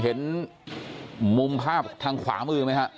เห็นมุมภาพทางขวามือไหมฮะ